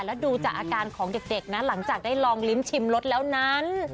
แล้วดูจากอาการของเด็กนะหลังจากได้ลองลิ้มชิมรสแล้วนั้น